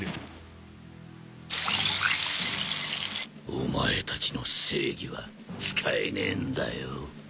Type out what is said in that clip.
お前たちの正義は使えねえんだよ。